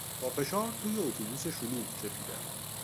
با فشار توی اتوبوس شلوغ چپیدم.